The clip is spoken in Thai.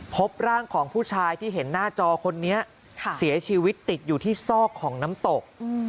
พบร่างของผู้ชายที่เห็นหน้าจอคนนี้เสียชีวิตติดอยู่ที่ซอกของน้ำตก